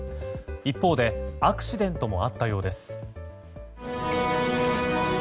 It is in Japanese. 一方でアクシデントもあったようです。